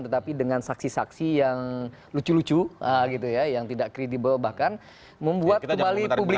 tetapi dengan saksi saksi yang lucu lucu gitu ya yang tidak kredibel bahkan membuat kembali publik